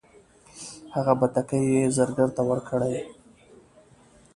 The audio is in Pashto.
هغه بتکۍ یې زرګر ته ورکړې.